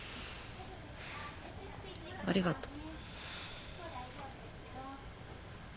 ありがとう。